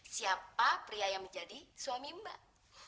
siapa pria yang menjadi suami mbak